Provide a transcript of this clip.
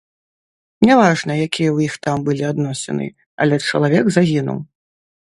Няважна, якія ў іх там былі адносіны, але чалавек загінуў.